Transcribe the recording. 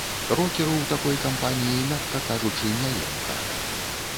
Рокеру ў такой кампаніі, мякка кажучы, няёмка.